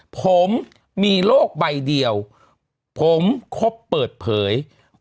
ผมมีโรคใบเดียวผมครบเปิดเผย